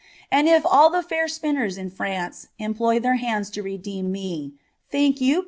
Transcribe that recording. And if all ihr fair spinners m France employ their hands lo redeem me, think you.